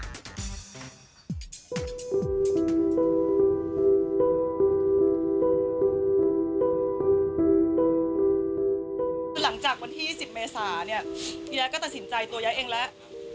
คือหลังจากวันที่๑๐เมษาเนี่ยยายก็ตัดสินใจตัวย้ายเองแล้ว